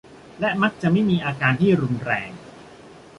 และมักจะไม่มีอาการที่รุนแรง